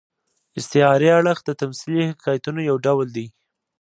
استعاري اړخ د تمثيلي حکایتونو یو ډول دئ.